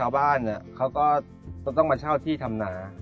บ้านเนี่ยเขาก็ต้องมาเช่าที่ทำนา